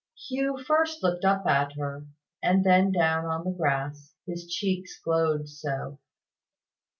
Hugh first looked up at her, and then down on the grass, his cheeks glowed so.